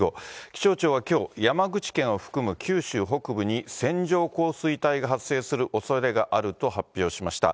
気象庁はきょう、山口県を含む九州北部に線状降水帯が発生するおそれがあると発表しました。